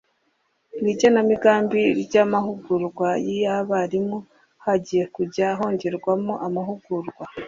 Mu igenamigambi ry amahugurwa y abarimu hagiye kujya hongerwamo amahugurwa